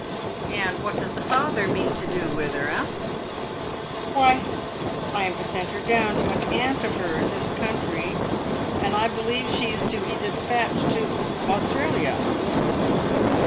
" And what does the father mean to do with her, eh ?"" Why, I am to send her down to an aunt of hers in the country, and I believe she is to be despatched to Australia."